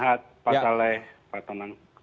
selamat malam pak saleh pak tonang